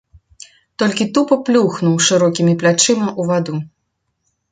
Толькі тупа плюхнуў шырокімі плячыма ў ваду.